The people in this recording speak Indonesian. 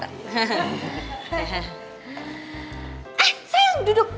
eh sayang duduk